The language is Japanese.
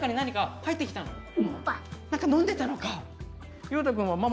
なんか飲んでたのか。